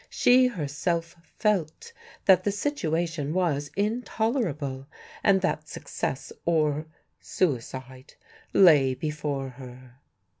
She herself felt that the situation was intolerable, and that success or suicide lay before her.